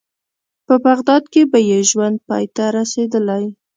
په بغداد کې به یې ژوند پای ته رسېدلی.